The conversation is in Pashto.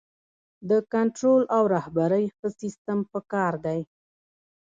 د کنټرول او رهبرۍ ښه سیستم پکار دی.